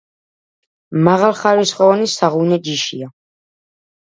მაღალხარისხოვანი საღვინე ჯიშია.